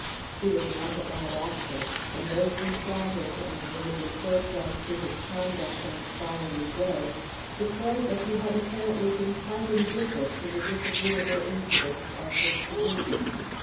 He was not a bad actor, and those who saw him and made reports as to his conduct on the following day declared that he had apparently been quite indifferent to the disagreeable incidents of his position.